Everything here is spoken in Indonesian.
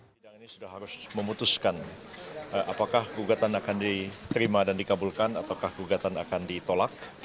sidang ini sudah harus memutuskan apakah gugatan akan diterima dan dikabulkan ataukah gugatan akan ditolak